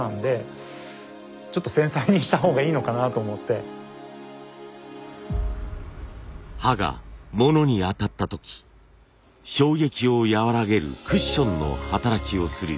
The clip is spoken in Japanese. ホントにまあ刃が物に当たった時衝撃を和らげるクッションの働きをする峰の部分。